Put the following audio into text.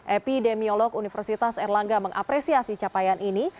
epidemiolog universitas erlangga mengapresiasi capaian ini